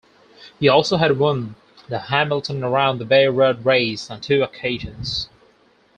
He also had won the Hamilton Around the Bay Road Race on two occasions.